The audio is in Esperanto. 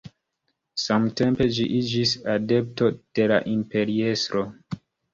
Samtempe ŝi iĝis adepto de la imperiestro.